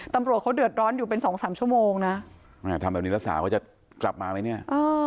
ตำรวจเขาเดือดร้อนอยู่เป็นสองสามชั่วโมงนะแม่ทำแบบนี้แล้วสาวเขาจะกลับมาไหมเนี่ย